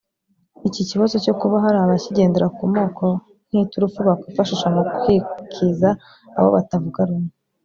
Iki kibazo cyo kuba hari abakigendera ku moko nk’iturufu bakwifashisha mu kwikiza abo batavuga rumwe